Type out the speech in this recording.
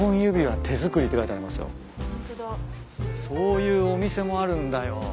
そういうお店もあるんだよ。